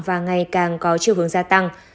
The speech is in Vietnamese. và ngày càng có chiều hướng gia tăng